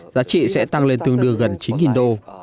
giá trị sẽ tăng lên tương đương gần chín đô